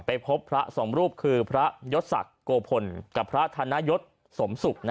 ไปพบพระส่องรูปคือพระยศสักโกภลกับพระธนโยศสมสุข